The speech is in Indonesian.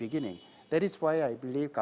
itulah mengapa saya percaya